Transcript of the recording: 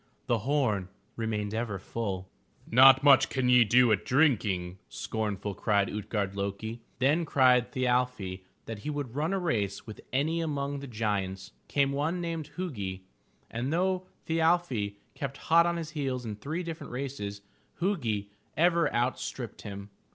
The horn remained ever full. "Not much can ye do at drinking/* scornful, cried Ut'gard lo'ki. Then cried Thi arfi that he would run a race with any among the giants. Came one named Hu'gi, and, though Thi arfi kept hot on his heels in three different races, Hu'gi ever outstripped him.